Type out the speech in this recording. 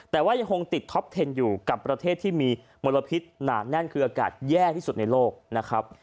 แต่ว่ายังคงติดท็อปเทนอยู่กับประเทศที่มีมลพิษหนาแน่นคืออากาศแย่ที่สุดในโลกนะครับ